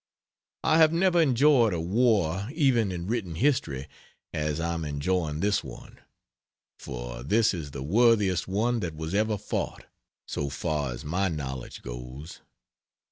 I have never enjoyed a war even in written history as I am enjoying this one. For this is the worthiest one that was ever fought, so far as my knowledge goes.